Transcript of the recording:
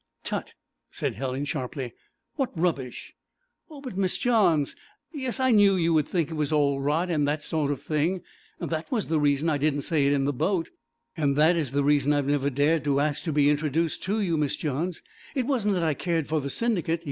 'Tut!' said Helen sharply, 'what rubbish!' 'Oh! but Miss Johns yes, I knew you would think it was all rot and that sort of thing; that was the reason I didn't say it in the boat, and that is the reason I've never dared to ask to be introduced to you, Miss Johns. It wasn't that I cared for the Syndicate.